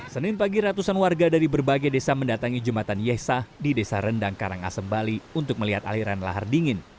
senin pagi ratusan warga dari berbagai desa mendatangi jembatan yesah di desa rendang karangasem bali untuk melihat aliran lahar dingin